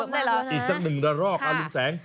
ไม่ทะลมได้หรออีกสักหนึ่งรอบลูกแสง